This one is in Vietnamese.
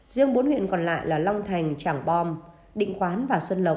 riêng bốn huyện còn lại là long thành trảng bom định khoán và xuân lộc